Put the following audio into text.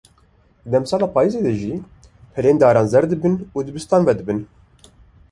Di demsala payîzê de jî, pelên daran zer dibin û dibistan vedibin.